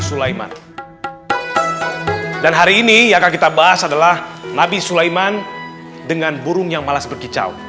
sulaiman dan hari ini yang akan kita bahas adalah nabi sulaiman dengan burung yang malas berkicau